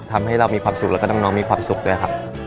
ทำให้เรามีความสุขแล้วก็น้องมีความสุขด้วยครับ